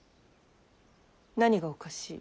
何がおかしい。